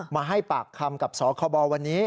มาให้ปากคำกับสคบวันนี้